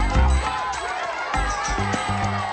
tuk tuk tuk